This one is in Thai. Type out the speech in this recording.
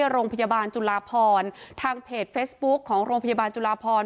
ร่งพยาบาลจุฬาพรทางเฟสบุ๊กของรองพยาบาลจุฬาพร